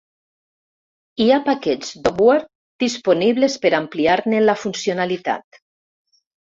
Hi ha paquets d'Optware disponibles per ampliar-ne la funcionalitat.